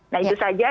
nah itu saja